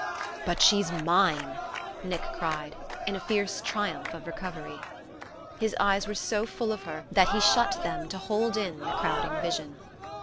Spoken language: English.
"But she's mine!" Nick cried, in a fierce triumph of recovery... His eyes were so full of her that he shut them to hold in the crowding vision.